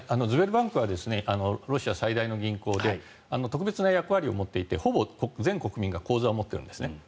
ズベルバンクはロシア最大の銀行で特別な役割を持っていてほぼ全国民が口座を持っているんですね。